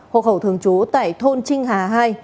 hộ khẩu thường trú tại thôn trinh hà hai